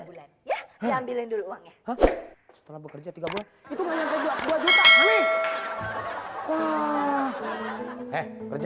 bulan ya ambilin dulu uangnya setelah bekerja tiga bulan itu banyak dua juta nih wah eh kerja